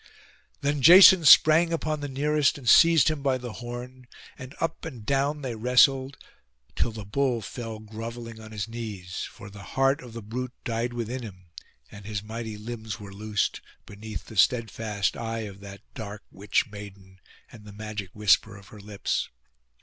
Then Jason sprang upon the nearest and seized him by the horn; and up and down they wrestled, till the bull fell grovelling on his knees; for the heart of the brute died within him, and his mighty limbs were loosed, beneath the steadfast eye of that dark witch maiden and the magic whisper of her lips.